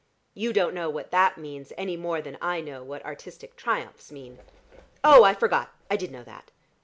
You don't know what that means any more than I know what artistic triumphs mean. Oh, I forgot: I did know that.